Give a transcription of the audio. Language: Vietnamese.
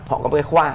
họ có một cái khoa